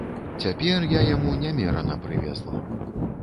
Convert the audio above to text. Цяпер я яму нямерана прывезла.